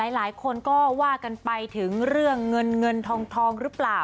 หลายคนก็ว่ากันไปถึงเรื่องเงินเงินทองหรือเปล่า